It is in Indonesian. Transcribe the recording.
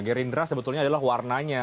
gerindra sebetulnya adalah warnanya